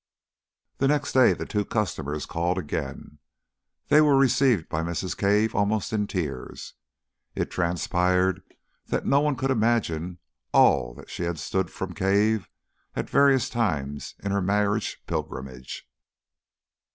The next day the two customers called again. They were received by Mrs. Cave almost in tears. It transpired that no one could imagine all that she had stood from Cave at various times in her married pilgrimage....